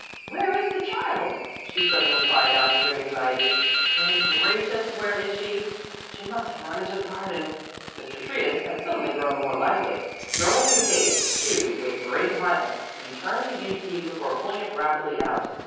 "Where is the child?" she suddenly cried out in great anxiety. "Good gracious, where is she? She must have run into the garden." Mr. Trius had suddenly grown more lively. Throwing the gate to with great violence, he turned the huge key before pulling it rapidly out.